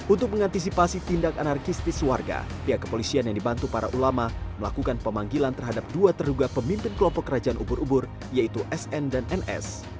untuk mengantisipasi tindak anarkistis warga pihak kepolisian yang dibantu para ulama melakukan pemanggilan terhadap dua terduga pemimpin kelompok kerajaan ubur ubur yaitu sn dan ns